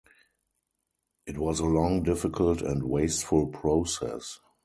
It was a long, difficult, and wasteful process.